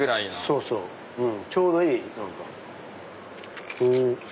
そうそうちょうどいい。